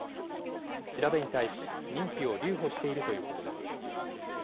調べに対し、認否を留保しているということです。